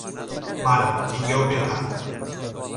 Mare, tingueu pietat.